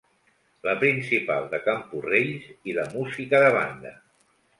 La Principal de Camporrells i la música de banda.